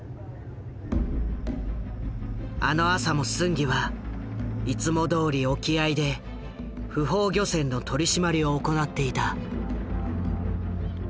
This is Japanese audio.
あの朝もスンギはいつもどおり沖合で不法漁船の取り締まりを行っていた。